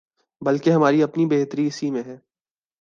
بلکہ ہماری اپنی بہتری اسی میں ہے۔